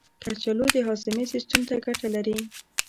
کچالو د هاضمې سیستم ته ګټه لري.